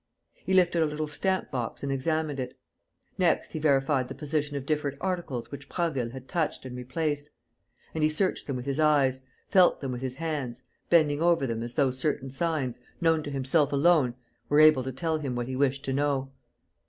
He lifted a little stamp box and examined it. Next, he verified the position of different articles which Prasville had touched and replaced; and he searched them with his eyes, felt them with his hands, bending over them as though certain signs, known to himself alone, were able to tell him what he wished to know.